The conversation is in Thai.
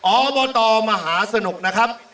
อบตมหาสนุกนะครับ